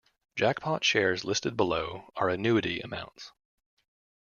Jackpot shares listed below are annuity amounts.